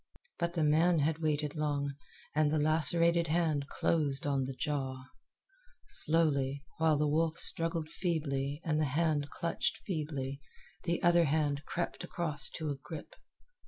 But the man had waited long, and the lacerated hand closed on the jaw. Slowly, while the wolf struggled feebly and the hand clutched feebly, the other hand crept across to a grip.